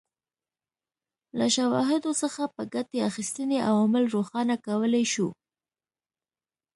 له شواهدو څخه په ګټې اخیستنې عوامل روښانه کولای شو.